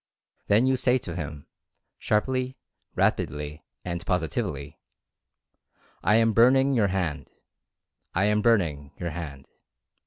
Then you say to him, sharply, rapidly and positively: "I am burning your hand — I am burning your hand.